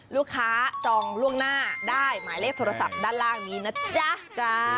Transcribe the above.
จองล่วงหน้าได้หมายเลขโทรศัพท์ด้านล่างนี้นะจ๊ะ